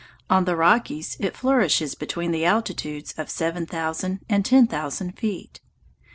On the Rockies it flourishes between the altitudes of seven thousand and ten thousand feet.